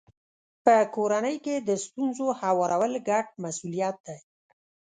په کورنۍ کې د ستونزو هوارول ګډ مسولیت دی.